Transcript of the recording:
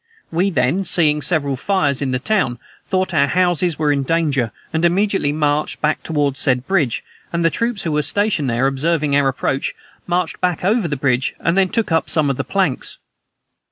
We then, seeing several fires in the town thought our houses were in danger, and immediately marched back toward said bridge, and the troops who were stationed there, observing our approach, marched back over the bridge, and then took up some of the planks.